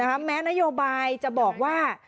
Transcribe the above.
แม้นโยบายจะบอกว่า